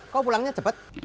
kok pulangnya cepat